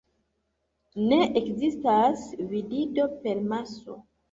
Ne ekzistas divido per maso.